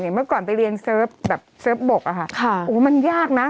เมื่อก่อนไปเรียนเซิร์ฟแบบเซิร์ฟบกอะค่ะโอ้มันยากนะ